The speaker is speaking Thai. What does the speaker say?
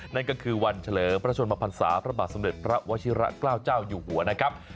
นั่นก็คือวันเฉลิมพระชนมพันศาพระบาทสมเด็จพระวชิระเกล้าเจ้าอยู่หัวนะครับ